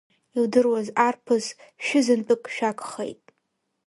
Илдыруаз арԥыс, шәызынтәык шәагхеит!